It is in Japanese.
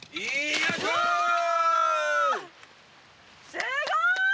すごい！